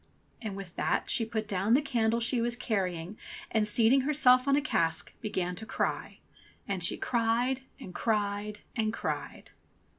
And with that she put down the candle she was carrying and seating herself on a cask began to cry. And she cried and cried and cried.